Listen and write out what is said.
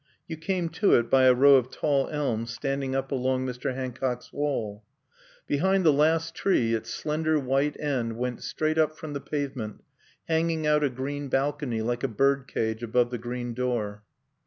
You came to it by a row of tall elms standing up along Mr. Hancock's wall. Behind the last tree its slender white end went straight up from the pavement, hanging out a green balcony like a bird cage above the green door.